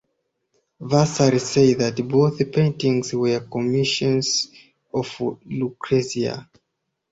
Vasari says that both paintings were commissions of Lucrezia.